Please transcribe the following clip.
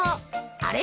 あれ？